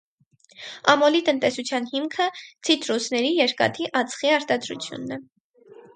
Ամոլի տնտեսության հիմքը ցիտրուսների, երկաթի, ածխի արտադրությունն է։